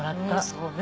そうね。